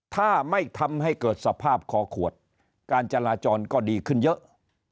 ถ้าไม่ทำให้เกิดสภาพคอขวดการจราจรก็ดีขึ้นเยอะ